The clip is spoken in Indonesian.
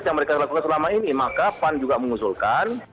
yang mereka lakukan selama ini maka pan juga mengusulkan